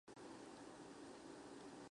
在天鹤座有几对肉眼可以看见的双星。